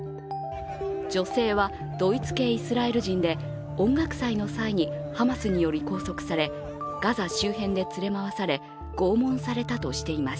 女性はドイツ系イスラエル人で音楽祭の際にハマスにより拘束され、ガザ周辺で連れ去られ拷問されたとしています。